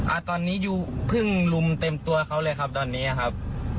อ่าตอนนี้ยูเพิ่งรุมเต็มตัวเขาเลยครับตอนนี้ครับ